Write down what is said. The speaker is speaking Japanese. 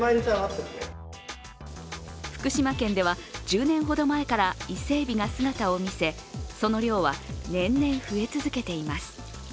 福島県では１０年ほど前から伊勢えびが姿を見せその量は年々増え続けています。